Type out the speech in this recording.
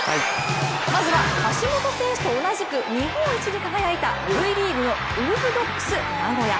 まずは、橋本選手と同じく日本一に輝いたＶリーグのウルフドッグス名古屋。